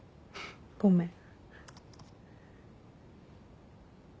ごめん。